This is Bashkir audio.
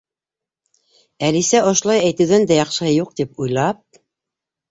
Әлисә ошолай әйтеүҙән дә яҡшыһы юҡ тип уйлап: